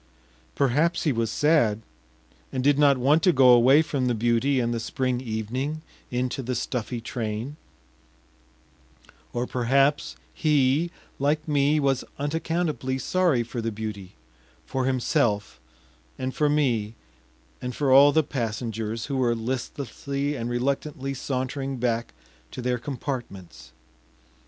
Perhaps he was sad, and did not want to go away from the beauty and the spring evening into the stuffy train; or perhaps he, like me, was unaccountably sorry for the beauty, for himself, and for me, and for all the passengers, who were listlessly and reluctantly sauntering back to their compartments.